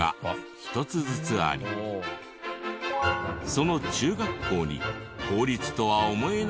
その中学校に公立とは思えない珍百景が。